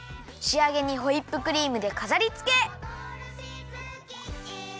しあげにホイップクリームでかざりつけ！